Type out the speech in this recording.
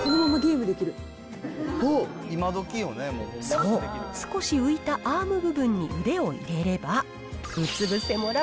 そう少し浮いたアーム部分に腕を入れれば。